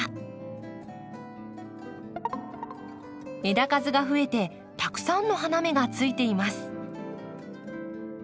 枝数が増えてたくさんの花芽がついています。